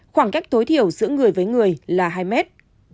khoảng cách tối thiểu giữa người với người là hai mét